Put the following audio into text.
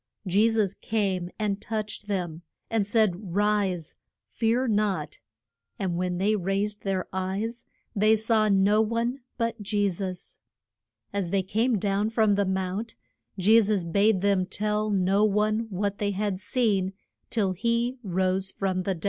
Je sus came and touched them, and said, Rise. Fear not. And when they raised their eyes they saw no one but Je sus. As they came down from the mount, Je sus bade them tell no one what they had seen till he rose from the dead.